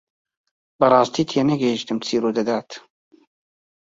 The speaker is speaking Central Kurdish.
بەڕاستی تێنەگەیشتم چی ڕوودەدات.